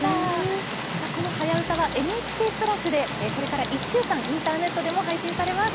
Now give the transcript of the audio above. さあこの「はやウタ」はＮＨＫ＋でこれから１週間インターネットでも配信されます。